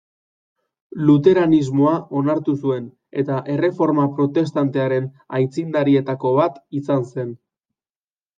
Luteranismoa onartu zuen, eta Erreforma Protestantearen aitzindarietako bat izan zen.